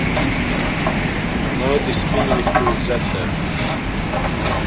انا د سپین ویښتو عزت ده